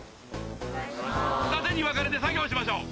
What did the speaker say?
二手に分かれて作業しましょう。